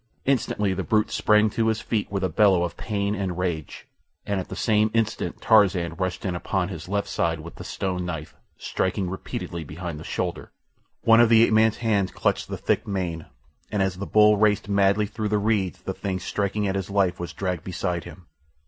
Instantly the brute sprang to his feet with a bellow of pain and rage, and at the same instant Tarzan rushed in upon his left side with the stone knife, striking repeatedly behind the shoulder. One of the ape man's hands clutched the thick mane, and as the bull raced madly through the reeds the thing striking at his life was dragged beside him.